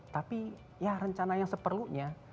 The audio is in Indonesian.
tapi rencana yang seperlunya